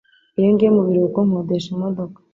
Iyo ngiye mu biruhuko, nkodesha imodoka.